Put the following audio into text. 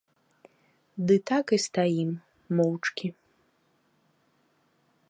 Ды так і стаім моўчкі.